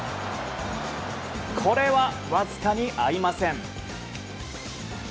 これは、わずかに合いません。